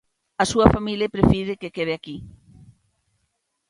A súa familia prefire que quede aquí.